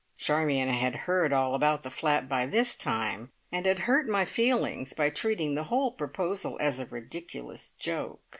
Charmion had heard all about the flat by this time, and had hurt my feelings by treating the whole proposal as a ridiculous joke.